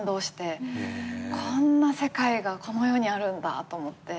こんな世界がこの世にあるんだと思って。